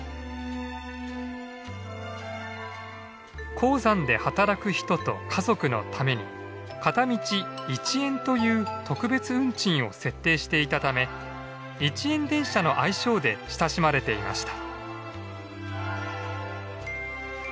鉱山で働く人と家族のために片道１円という特別運賃を設定していたため「一円電車」の愛称で親しまれていました。